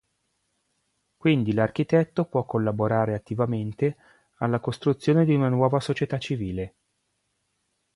Quindi l'architetto può collaborare attivamente alla costruzione di una nuova società civile.